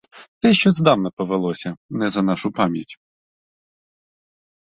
То ще здавна повелося, не за нашу пам'ять.